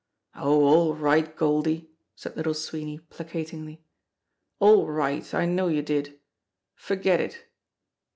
"Oh, all right, Goldie!" said Little Sweeney placatingly. "All right! I know you did. Forget it!"